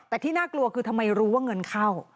แต่ที่น่ากลัวคือทำไมรู้ว่าเงินเข้า